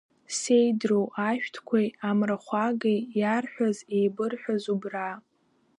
Сеидроу, ашәҭқәеи амрахәагеи иарҳәаз-еибырҳәаз убра…